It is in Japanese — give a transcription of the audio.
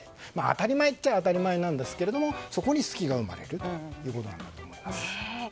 当たり前といえば当たり前なんですがそこに隙が生まれるということだと思います。